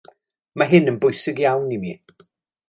Mae hyn yn bwysig iawn i mi.